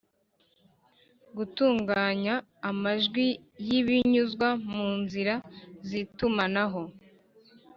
Gutuganya amajwi binyuzwa mu nzira zitumanaho